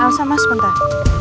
alsa mas bentar